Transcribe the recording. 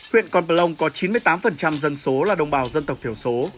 huyện con bà long có chín mươi tám dân số là đồng bào dân tộc thiểu số